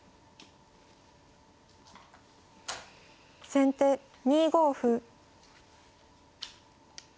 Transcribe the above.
先手２五歩。